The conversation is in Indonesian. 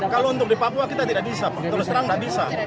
kalau untuk di papua kita tidak bisa pak terus terang tidak bisa